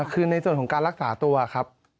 คือในส่วนของการรักษาตัวครับ